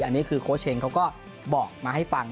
อันนี้คือโค้ชเชงเขาก็บอกมาให้ฟัง